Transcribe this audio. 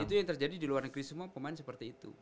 itu yang terjadi di luar negeri semua pemain seperti itu